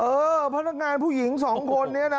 เออพลักงานผู้หญิง๒คนนี้นะ